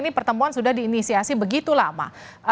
karena pertemuan ini sudah diinisiasi begitu lama